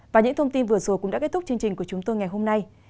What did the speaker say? và những thông tin vừa rồi cũng đã kết thúc chương trình của chúng tôi ngày hôm nay